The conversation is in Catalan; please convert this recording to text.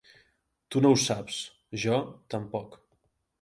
Tu no ho saps; jo, tampoc.